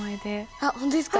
あっ本当ですか？